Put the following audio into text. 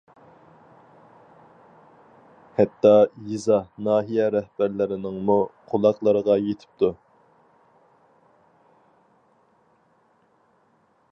ھەتتا يېزا، ناھىيە رەھبەرلىرىنىڭمۇ قۇلاقلىرىغا يېتىپتۇ.